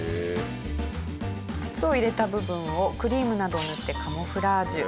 筒を入れた部分をクリームなどを塗ってカムフラージュ。